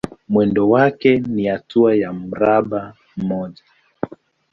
Mwendo wake ni hatua ya mraba mmoja.